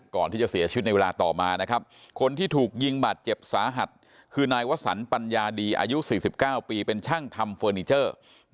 ก่อนที่จะเสียชีวิตในเวลาต่อมานะครับคนที่ถูกยิงบาดเจ็บสาหัสคือนายวสันปัญญาดีอายุ๔๙ปีเป็นช่างทำเฟอร์นิเจอร์